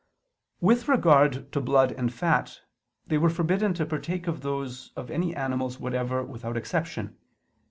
With regard to blood and fat, they were forbidden to partake of those of any animals whatever without exception.